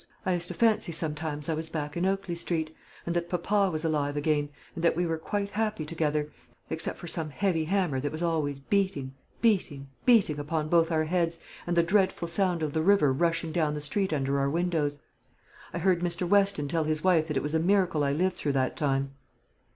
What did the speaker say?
I used to fancy sometimes I was back in Oakley Street, and that papa was alive again, and that we were quite happy together, except for some heavy hammer that was always beating, beating, beating upon both our heads, and the dreadful sound of the river rushing down the street under our windows. I heard Mr. Weston tell his wife that it was a miracle I lived through that time."